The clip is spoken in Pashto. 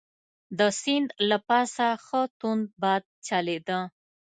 د سیند له پاسه ښه توند باد چلیده.